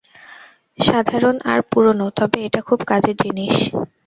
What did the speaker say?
সাধারণ আর পুরোনো তবে এটা খুব কাজের জিনিস।